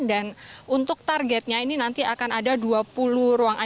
dan untuk targetnya ini nanti akan ada dua puluh ruang icu dan seratus high care